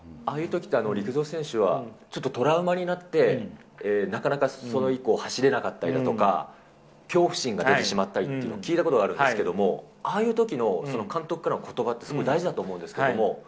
ああいうときって、陸上選手はちょっとトラウマになって、なかなかそれ以降走れなかったりだとか、恐怖心が出てしまったりっていうのを聞いたことがあるんですけれども、ああいうときの監督からのことばってすごい大事だと思うんですけども。